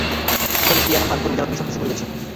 ওখানে গিয়ে এমন ভান করবে যেন তুমি সবকিছু ভূলে গেছো।